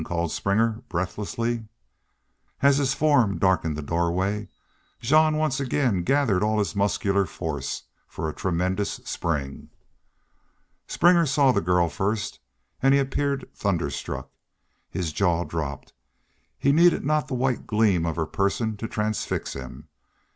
called Springer, breathlessly. As his form darkened the doorway Jean once again gathered all his muscular force for a tremendous spring. Springer saw the girl first and he appeared thunderstruck. His jaw dropped. He needed not the white gleam of her person to transfix him.